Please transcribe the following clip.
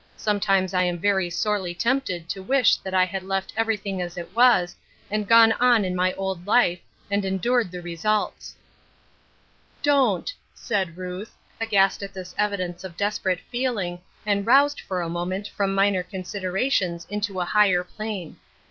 Sometimes I am very sorelj tempted to wisli that 1 had left everything as it was, and goii 'ii iu my old life, and endured the results." " Don't," said Ruth, aghast at this evidence of desperate feeling, and roused, for a moment, from minor considerations into a higher plane.